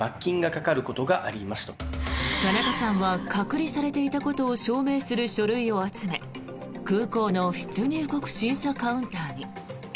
タナカさんは隔離されていたことを証明する書類を集め空港の出入国審査カウンターに。